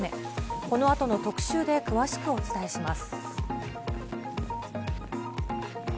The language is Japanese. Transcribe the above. このあとの特集で詳しくお伝えします。